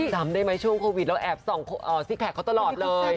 จำได้ไหมช่วงโควิดเราแอบส่องซิกแพคเขาตลอดเลย